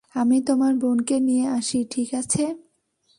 আমি তোমার বোনকে নিয়ে আসি, ঠিক আছে?